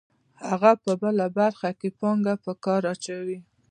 هغه په بله برخه کې پانګه په کار اچوي